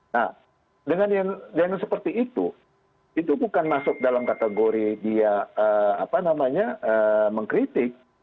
nah dengan yang seperti itu itu bukan masuk dalam kategori dia mengkritik